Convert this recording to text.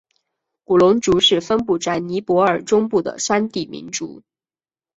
古隆族是分布在尼泊尔中部的山地民族。